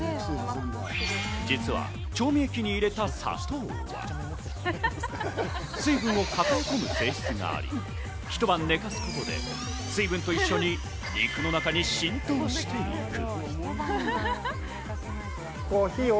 実は調味液に入れた砂糖は、水分を抱え込む性質があり、一晩寝かすことで水分と一緒に肉の中に浸透していく。